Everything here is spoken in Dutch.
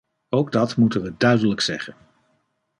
Ook dat moeten we duidelijk zeggen.